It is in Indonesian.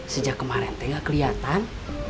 sejak kemarin tidak kelihatan